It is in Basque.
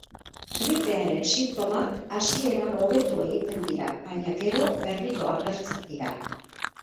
Gripearen sintomak hasieran hobetu egiten dira, baina gero berriro agertzen dira.